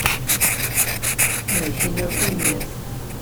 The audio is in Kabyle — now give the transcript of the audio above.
Ad ak-iniɣ tanemmirt.